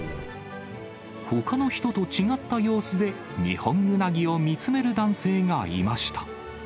ほかの人と違った様子で、ニホンウナギを見つめる男性がいました。